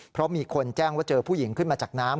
เพราะมีคนแจ้งว่าเจอผู้หญิงขึ้นมาจากน้ำ